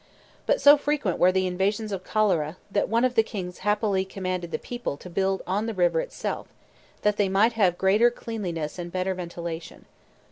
But so frequent were the invasions of cholera, that one of the kings happily commanded the people to build on the river itself, that they might have greater cleanliness and better ventilation.